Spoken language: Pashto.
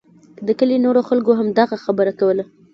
د کلي نورو خلکو هم دغه خبره کوله.